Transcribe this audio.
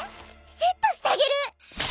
セットしたげる！